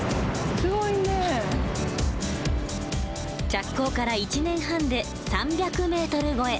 着工から１年半で３００ｍ超え。